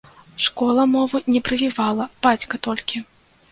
Школа мову не прывівала, бацька толькі.